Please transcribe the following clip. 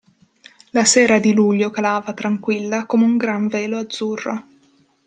La sera di luglio calava tranquilla come un gran velo azzurro.